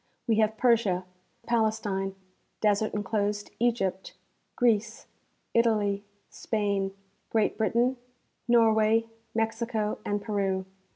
We have Persia, Pales tine, desert inclosed Egypt, Greece, Italy, Spain, Great Britain, Norway, Mexico and Peru.